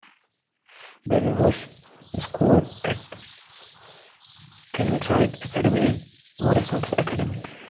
Bell was schooled at Kelvinside Academy and Morrison's Academy.